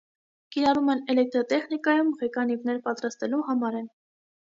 Կիրառում են էլեկտրատեխնիկայում, ղեկանիվներ պատրաստելու համար են։